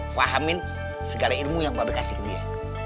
fahamin segala ilmu yang mba be kasih ke dia